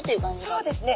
そうですね